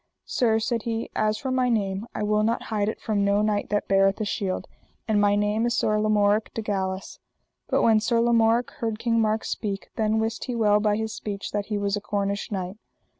Sir, said he, as for my name I will not hide it from no knight that beareth a shield, and my name is Sir Lamorak de Galis. But when Sir Lamorak heard King Mark speak, then wist he well by his speech that he was a Cornish knight.